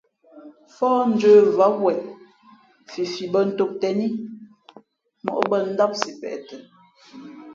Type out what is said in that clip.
Fōh njə̄ vǎm wen fifi bᾱ tōm těn i móʼ bᾱ ndám sipeʼ tα.